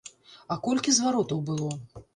А колькі зваротаў было?